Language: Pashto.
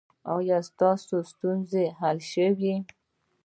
ایا ستاسو ستونزې حل شوې؟